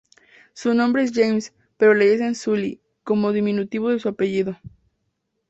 Su nombre es James, pero le dicen "Sulley" como diminutivo de su apellido.